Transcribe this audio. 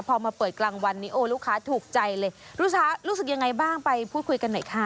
พอมาเปิดกลางวันนี้โอ้ลูกค้าถูกใจเลยลูกค้ารู้สึกยังไงบ้างไปพูดคุยกันหน่อยค่ะ